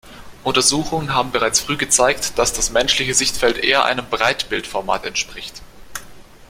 Untersuchungen haben bereits früh gezeigt, dass das menschliche Sichtfeld eher einem Breitbild-Format entspricht.